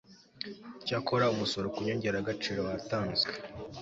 cyakora umusoro ku nyongeragaciro watanzwe